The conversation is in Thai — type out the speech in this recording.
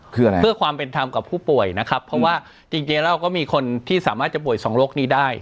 คืออะไรเพื่อความเป็นธรรมกับผู้ป่วยนะครับเพราะว่าจริงแล้วก็มีคนที่สามารถจะป่วยสองโรคนี้ได้